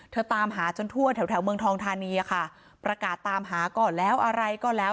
ตามหาจนทั่วแถวแถวเมืองทองธานีอะค่ะประกาศตามหาก่อนแล้วอะไรก็แล้ว